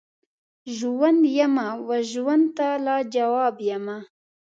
ژوند یمه وژوند ته لاجواب یمه